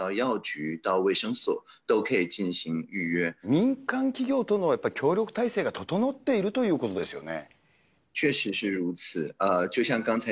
民間企業との協力体制が整っているということですよね。